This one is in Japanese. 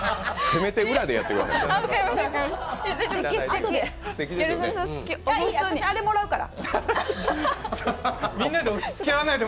せめて裏でやってください。